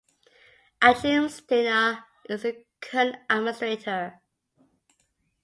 Achim Steiner is the current Administrator.